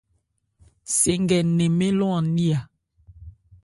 Se nkɛ nnɛn mɛ́n lɔ an ní.